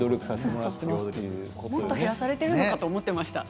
もっと減らされているのかと思っていました。